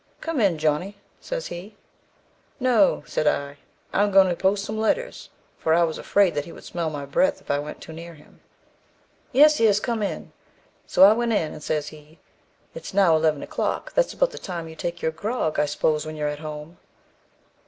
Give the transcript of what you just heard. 'Come in, John,' says he. 'No,' said I; 'I am goin' to post some letters,' for I was afraid that he would smell my breath if I went too near to him. 'Yes, yes, come in.' So I went in, and says he, 'It's now eleven o'clock; that's about the time you take your grog, I s'pose, when you are at home.'